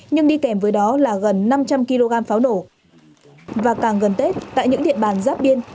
nhưng đi kèm với đó là gần năm trăm linh kg pháo nổ và càng gần tết tại những địa bàn giáp biên